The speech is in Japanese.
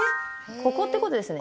ここってことですね。